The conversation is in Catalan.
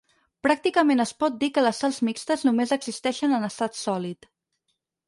Pràcticament es pot dir que les sals mixtes només existeixen en estat sòlid.